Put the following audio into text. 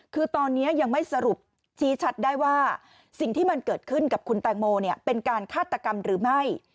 คือตอนนี้ยังไม่สรุปชี้ชัดได้ว่าสิ่งที่มันเกิดขึ้นกับคุณแตงโมเป็นการฆาตกรรมหรือไม่